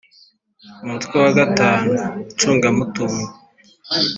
umutwe wa gatanu icungamutungo